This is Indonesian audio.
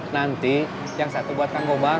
nanti yang satu buat kang goba